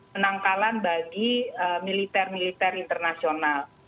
penangkalan bagi militer militer internasional